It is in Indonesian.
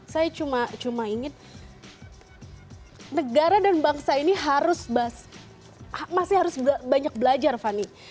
saya cuma ingin negara dan bangsa ini harus masih harus banyak belajar fani